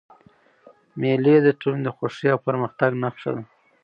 مېلې د ټولني د خوښۍ او پرمختګ نخښه ده.